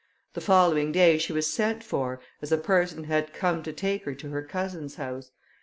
The following day she was sent for, as a person had come to take her to her cousin's house.